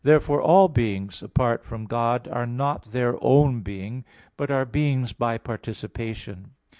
Therefore all beings apart from God are not their own being, but are beings by participation.